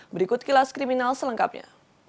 berikut kilas kriminal selengkapnya